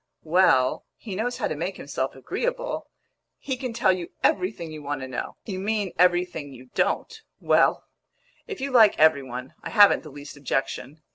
"Well, he knows how to make himself agreeable. He can tell you everything you want to know." "You mean everything you don't! Well, if you like every one, I haven't the least objection.